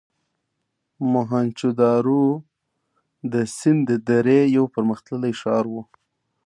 موهنچودارو د سند درې یو پرمختللی ښار و.